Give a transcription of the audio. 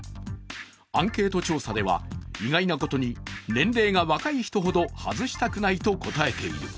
アンケート調査では意外なことに、年齢が若い人ほど外したくないと答えている。